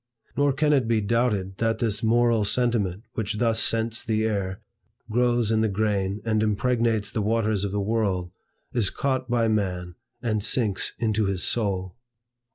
Nor can it be doubted that this moral sentiment which thus scents the air, grows in the grain, and impregnates the waters of the world, is caught by man and sinks into his soul.